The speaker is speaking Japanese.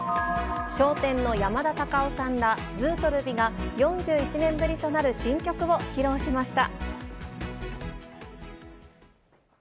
笑点の山田たかおさんらずうとるびが、４１年ぶりとなる新曲を披露しました。